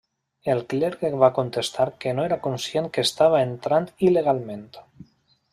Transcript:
El clergue va contestar que no era conscient que estava entrant il·legalment.